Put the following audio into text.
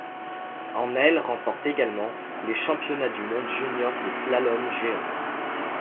En elle remporte également les championnats du monde juniors de slalom géant.